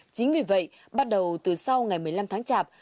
chính vì vậy bắt đầu từ sau ngày một mươi năm tháng chạp